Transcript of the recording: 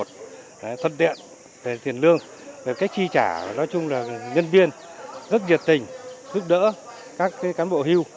thuận tiện tiền lương về cách tri trả nói chung là nhân viên rất nhiệt tình giúp đỡ các cán bộ hưu